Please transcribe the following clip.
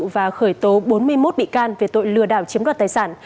và khởi tố bốn mươi một bị can về tội lừa đảo chiếm đoạt tài sản